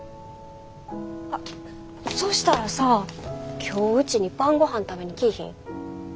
あっそうしたらさあ今日うちに晩ごはん食べに来いひん？